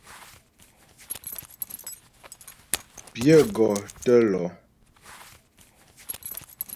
Pyə gɔ tə́ lɔ.